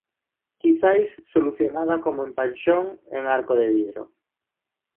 Quizais solucionada como en Panxón, en arco de vidro.